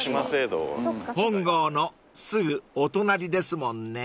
［本郷のすぐお隣ですもんね］